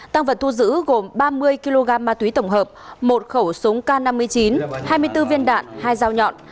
tăng vật thu giữ gồm ba mươi kg ma túy tổng hợp một khẩu súng k năm mươi chín hai mươi bốn viên đạn hai dao nhọn